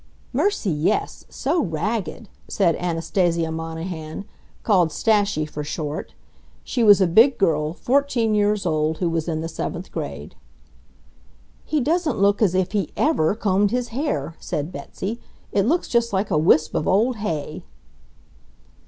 "Mercy, yes! So ragged!" said Anastasia Monahan, called Stashie for short. She was a big girl, fourteen years old, who was in the seventh grade. "He doesn't look as if he EVER combed his hair!" said Betsy. "It looks just like a wisp of old hay."